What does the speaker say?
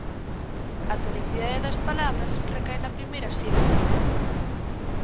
A tonicidade das palabras recae na primeira sílaba.